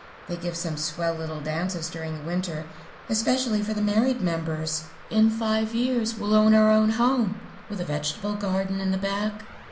They give some swell little dances during the winter, especially for the married members. In five years we'll own our home, with a vegetable garden in the back.